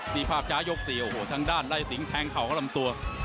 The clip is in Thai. นี่ภาพช้ายก๔โอ้โหทางด้านไล่สิงแทงเข่าเข้าลำตัว